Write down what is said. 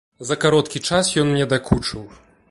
За кароткі час ён мне дакучыў.